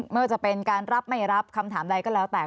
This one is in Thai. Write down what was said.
ไม่ว่าจะเป็นการรับไม่รับคำถามใดก็แล้วแต่